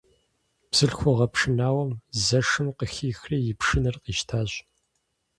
Бзылъхугъэ пшынауэм Зэшым къыхихри и пшынэр къищтащ.